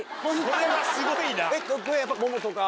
それはすごいな。